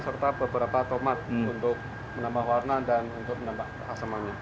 serta beberapa tomat untuk menambah warna dan untuk menambah asamannya